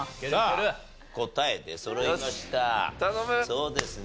そうですね。